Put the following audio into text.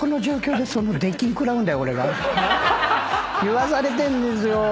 言わされてんですよ。